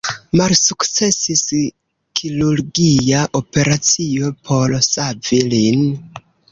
Malsukcesis kirurgia operacio por savi lin.